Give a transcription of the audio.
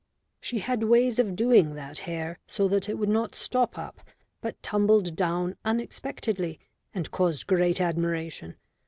She had ways of doing that hair so that it would not stop up, but tumbled down unexpectedly and caused great admiration.